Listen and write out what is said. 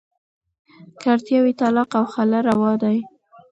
که اړتیا وي، طلاق او خلع روا دي.